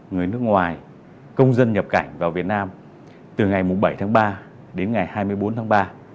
người nước ngoài công dân nhập cảnh vào việt nam từ ngày bảy tháng ba đến ngày hai mươi bốn tháng ba